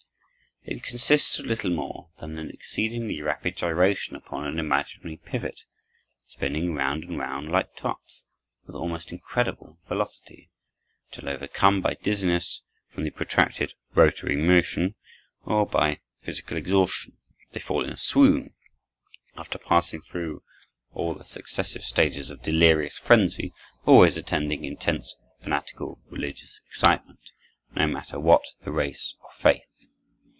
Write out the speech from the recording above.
It consists of little more than an exceedingly rapid gyration upon an imaginary pivot, spinning round and round like tops, with almost incredible velocity, till overcome by dizziness from the protracted rotary motion, or by physical exhaustion, they fall in a swoon, after passing through all the successive stages of delirious frenzy always attending intense fanatical religious excitement, no matter what the race or faith.